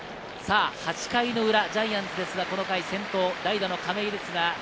８回の裏ジャイアンツですが、この回先頭代打の亀井。